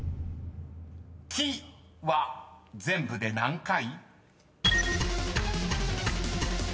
［「き」は全部で何回？］